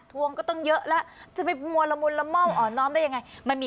ทวงก็ต้องเยอะแล้วจะไปหมวนละมุนละม่อมอ่อนอ้อมได้อย่างไร